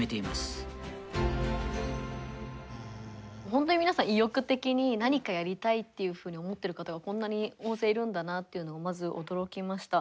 本当に皆さん意欲的に何かやりたいっていうふうに思ってる方がこんなに大勢いるんだなっていうのをまず驚きました。